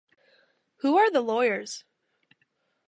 Who are the lawyers?